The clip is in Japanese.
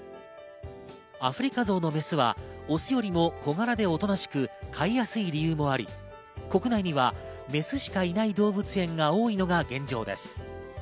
アフリカゾウのメスはオスよりも小柄でおとなしく、飼いやすい理由もあり、国内にはメスしかいない動物園が多いのが現状です。